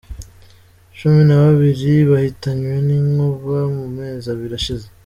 Cumi nababri bahitanywe n’inkuba mu mezi abiri ashize